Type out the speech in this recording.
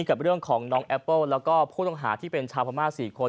กับเรื่องของน้องแอปเปิ้ลแล้วก็ผู้ต้องหาที่เป็นชาวพม่า๔คน